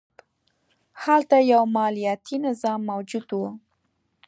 هلته یو مالیاتي نظام موجود و